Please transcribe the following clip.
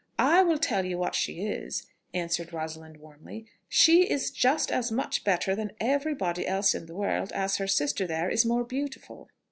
"I will tell you what she is," answered Rosalind warmly: "she is just as much better than every body else in the world, as her sister, there, is more beautiful."